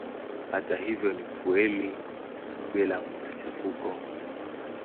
Hata hivyo si fueli bila machafuko.